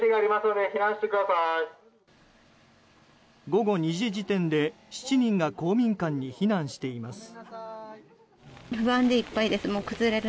午後２時時点で７人が公民館に避難しています。